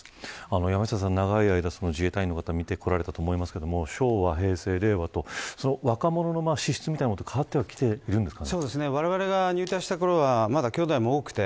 山下さん、長い間自衛隊の方見てこられたと思いますが昭和、平成、令和と若者の資質みたいなとこは変わってきているんですか。